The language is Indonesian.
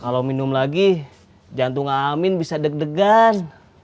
kalau minum lagi jantung amin bisa deg degan